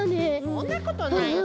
そんなことないよ。